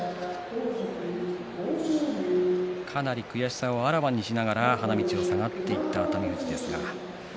かなり悔しさをあらわにしながら花道を下がっていった熱海富士ですが。